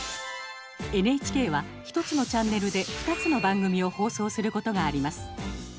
ＮＨＫは、１つのチャンネルで２つの番組を放送することがあります。